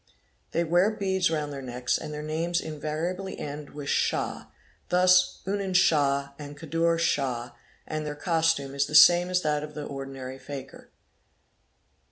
They wear beads round their necks, and their names invariably end with 'Shah' thus 'Unen Shah' and 'Kadur Shah,' and their costume is the same as. that of the ordinary fakir.